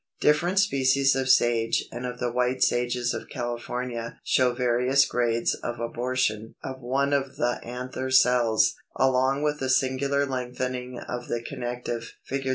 Different species of Sage and of the White Sages of California show various grades of abortion of one of the anther cells, along with a singular lengthening of the connective (Fig.